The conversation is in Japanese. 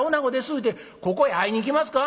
いうてここへ会いに来ますか？」。